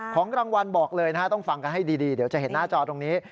ของรางวัลบอกเลยนะฮะต้องฟังกันให้ดีเดี๋ยวจะเห็นหน้าจอตรงนี้